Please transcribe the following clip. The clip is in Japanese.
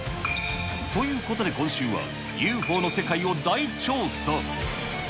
ということで今週は、ＵＦＯの世界を大調査。